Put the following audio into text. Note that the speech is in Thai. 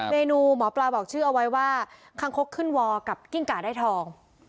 เมนูหมอปลาบอกชื่อเอาไว้ว่าคังคกขึ้นวอร์กับกิ้งกาได้ทอง